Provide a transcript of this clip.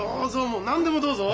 もう何でもどうぞ！